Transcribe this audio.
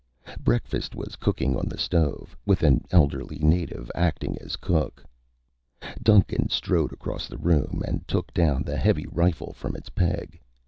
Breakfast was cooking on the stove, with an elderly native acting as cook. Duncan strode across the room and took down the heavy rifle from its peg.